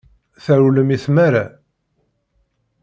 Trewlem i tmara.